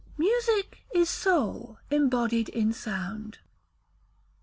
[MUSIC IS SOUL EMBODIED IN SOUND.